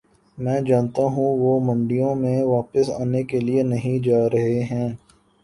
میں جانتا ہوں وہ منڈیوں میں واپس آنے کے لیے نہیں جا رہے ہیں